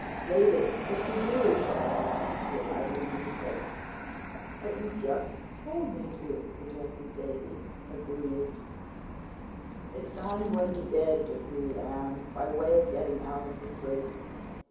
"Davy! If you do!" cried Anne, realizing her mistake. "But you just told me to," protested Davy aggrieved. "It's time you went to bed," decreed Anne, by way of getting out of the scrape.